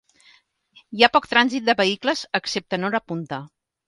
Hi ha poc trànsit de vehicles, excepte en hora punta.